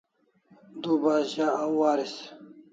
Du bas za au aris